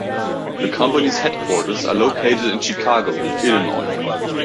The company's headquarters are located in Chicago, Illinois.